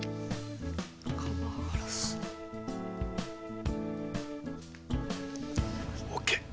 カバーガラス。ＯＫ！